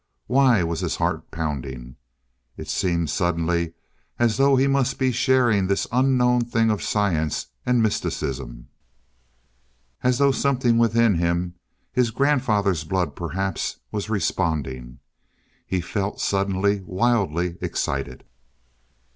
Why was his heart pounding? It seemed suddenly as though he must be sharing this unknown thing of science and mysticism. As though something within him his grandfather's blood perhaps was responding.... He felt suddenly wildly excited.